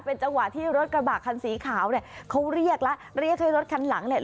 เป็นจังหวะที่รถกระบะคันสีขาวเนี่ยเขาเรียกแล้วเรียกให้รถคันหลังเนี่ย